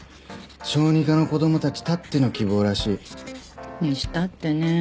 小児科の子供たちたっての希望らしい。にしたってね。